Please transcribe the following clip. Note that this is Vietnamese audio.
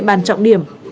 với niệm bàn trọng điểm